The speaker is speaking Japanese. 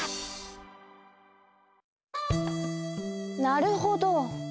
なるほど。